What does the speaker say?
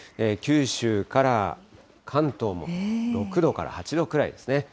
九州から関東も６度から８度くらいですね。